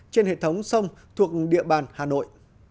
trên hệ thống sông thuộc địa bàn hà nội